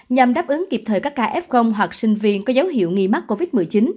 nhằm đáp ứng kịp thời các kf hoặc sinh viên có dấu hiệu nghi mắc covid một mươi chín